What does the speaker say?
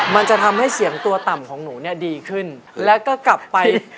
มันจะทำให้เสียงตัวต่ำของหนูเนี่ยดีขึ้นแล้วก็กลับไป